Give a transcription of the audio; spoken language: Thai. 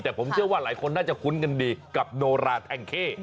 แต่ผมเชื่อว่าหลายคนน่าจะคุ้นกันดีกับโนราแทงเข้